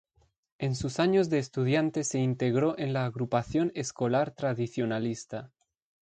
En sus años de estudiante se integró en la Agrupación Escolar Tradicionalista.